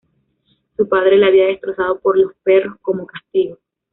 Su padre le había destrozado por los perros como castigo.